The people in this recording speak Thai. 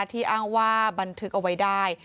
ที่อ้างว่าบันทึกเอาไว้ได้